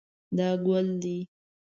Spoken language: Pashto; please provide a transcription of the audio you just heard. دا ګل دی